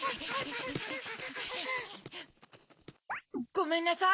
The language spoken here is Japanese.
ごめんなさい！